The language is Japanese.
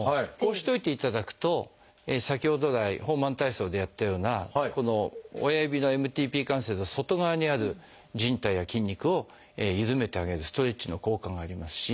こうしといていただくと先ほど来ホーマン体操でやったようなこの親指のＭＴＰ関節の外側にあるじん帯や筋肉をゆるめてあげるストレッチの効果がありますし。